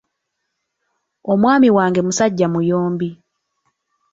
Omwami wange musajja muyombi.